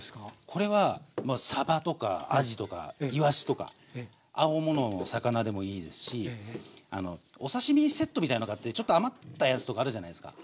これはさばとかあじとかいわしとか青物の魚でもいいですしお刺身セットみたいの買ってちょっと余ったやつとかあるじゃないですか。